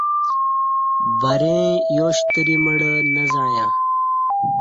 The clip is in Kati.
بریں یاشتری مڑہ نہ زعیاں